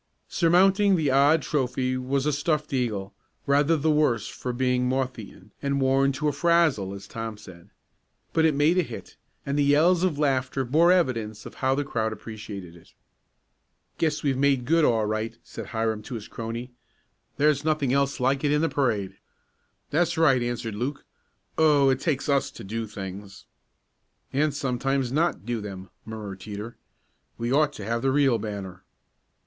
Surmounting the odd trophy was a stuffed eagle, rather the worse for being moth eaten, and worn "to a frazzle," as Tom said. But it made a hit, and the yells of laughter bore evidence of how the crowd appreciated it. "Guess we've made good all right," said Hiram to his crony. "There's nothing else like it in the parade." "That's right," answered Luke. "Oh, it takes us to do things." "And sometimes not do them," murmured Teeter. "We ought to have the real banner."